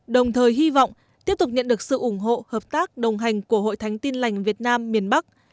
đồng thời hy vọng tiếp tục nhận được sự ủng hộ hợp tác đồng hành của hội thánh tin lành việt nam miền bắc